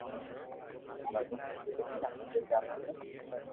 ڀگوان مني تو ديکيا ۾ ڪوئي آوي ھي